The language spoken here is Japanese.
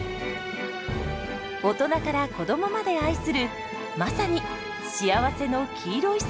大人から子どもまで愛するまさに「幸せの黄色いサンドイッチ」です。